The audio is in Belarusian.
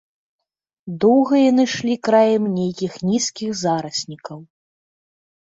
Доўга яны ішлі краем нейкіх нізкіх зараснікаў.